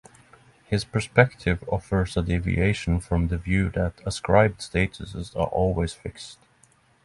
His perspective offers a deviation from the view that ascribed statuses are always fixed.